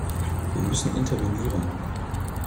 Wir müssen intervenieren.